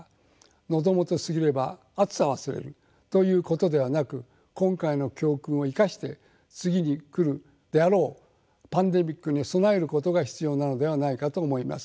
「喉元過ぎれば熱さ忘れる」ということではなく今回の教訓を生かして次に来るであろうパンデミックに備えることが必要なのではないかと思います。